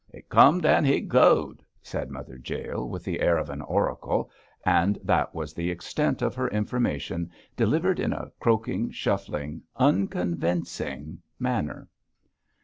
'He cum'd an' he go'd,' said Mother Jael, with the air of an oracle, and that was the extent of her information, delivered in a croaking, shuffling, unconvincing manner.